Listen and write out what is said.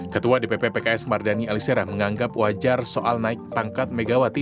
ketua dpp pks mardani alisera menganggap wajar soal naik pangkat megawati